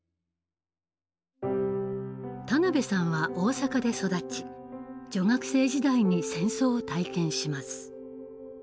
田辺さんは大阪で育ち女学生時代に戦争を体験します。